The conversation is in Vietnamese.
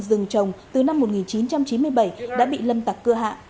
đối tượng rừng trồng từ năm một nghìn chín trăm chín mươi bảy đã bị lâm tặc cưa hạ